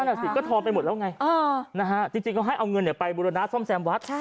นั่นแหละสิก็ทอนไปหมดแล้วไงจริงเขาให้เอาเงินไปบุรณะซ่อมแซมวัด